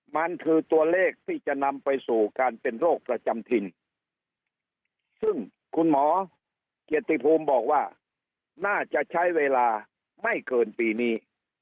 มันคือตัวเลขที่จะนำไปสู่การเป็นโรคประจำถิ่นซึ่งคุณหมอเกียรติภูมิบอกว่าน่าจะใช้เวลาไม่เกินปีนี้